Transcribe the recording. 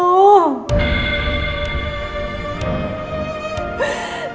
terus gimana sama anak kita